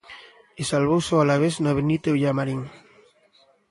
E salvouse o Alavés no Benito Villamarín.